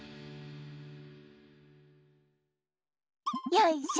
よいしょ。